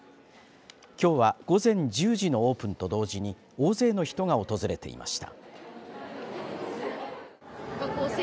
きょうは午前１０時のオープンと同時に大勢の人が訪れていました。